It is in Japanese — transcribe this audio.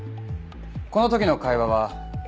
この時の会話は。